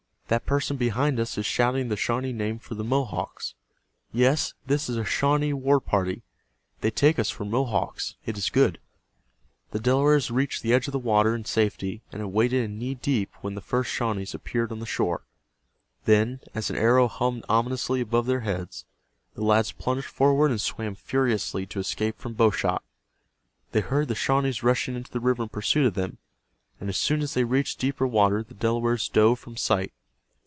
"That person behind us is shouting the Shawnee name for the Mohawks. Yes, this is a Shawnee war party. They take us for Mohawks. It is good." The Delawares reached the edge of the water in safety, and had waded in knee deep when the first Shawnees appeared on the shore. Then, as an arrow hummed ominously above their heads, the lads plunged forward and swam furiously to escape from bow shot. They heard the Shawnees rushing into the river in pursuit of them, and as soon as they reached deeper water the Delawares dove from sight.